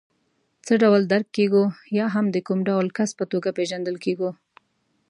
څه ډول درک کېږو یا هم د کوم ډول کس په توګه پېژندل کېږو.